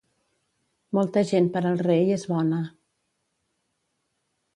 Molta gent per al rei és bona.